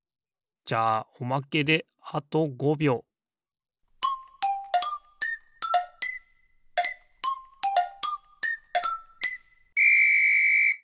じゃあおまけであと５びょうピッ！